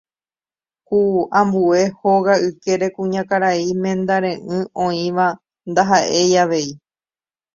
ku ambue hóga ykére kuñakarai mendare'ỹ oĩva ndaha'éi avei